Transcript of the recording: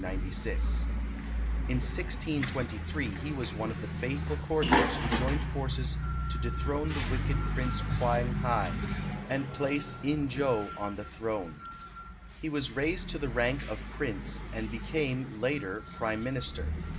In 1623 he was one of the faithful courtiers who joined forces to dethrone the wicked Prince Kwang hai, and place In jo on the throne. He was raised to the rank of Prince and became, later, Prime Minister.